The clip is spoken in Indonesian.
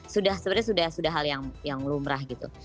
sudah sebenarnya sudah hal yang lumrah gitu